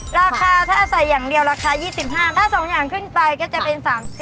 ราคาถ้าใส่อย่างเดียวราคา๒๕บาทถ้า๒อย่างขึ้นไปก็จะเป็น๓๐